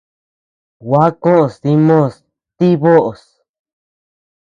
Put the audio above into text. Gua koʼös dimos ti böʼos.